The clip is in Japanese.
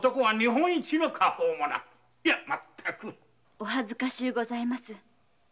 お恥ずかしゅうございます。